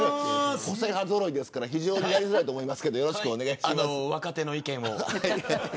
個性派ぞろいですからやりづらいと思いますけど。